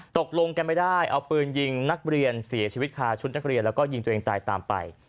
ตกลงกันไม่ได้เอาปืนยิงนักเรียนเสียชีวิตคาชุดนักเรียนแล้วก็ยิงตัวเองตายตามไป